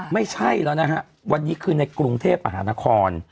ไม่ใช่แล้วนะฮะวันนี้คือในกรุงเทพมหานคร